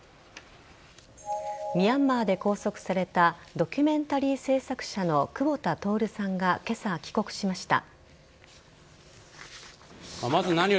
ミャンマーで拘束されたドキュメンタリー制作者の久保田徹さんが今朝、帰国しました。